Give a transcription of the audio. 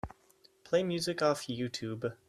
Play music off Youtube.